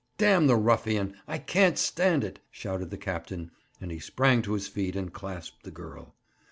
'Damn the ruffian! I can't stand it!' shouted the captain, and he sprang to his feet and clasped the girl.